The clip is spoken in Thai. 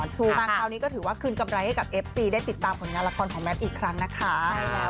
มาคราวนี้ก็ถือว่าคืนกำไรให้กับเอฟซีได้ติดตามผลงานละครของแมทอีกครั้งนะคะ